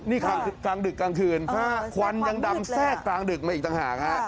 นี่กลางดึกกลางคืนควันยังดำแทรกกลางดึกมาอีกต่างหากฮะ